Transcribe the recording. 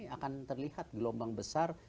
akan terlihat gelombang besar